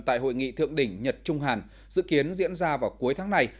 tại hội nghị thượng đỉnh nhật trung hàn dự kiến diễn ra vào cuối tháng này